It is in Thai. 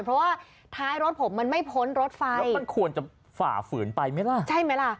เพราะว่าท้ายรถผมมันไม่พ้นรถไฟแล้วมันควรจะฝ่าฝืนไปไหมล่ะใช่ไหมล่ะ